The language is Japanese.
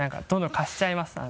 どんどん貸しちゃいます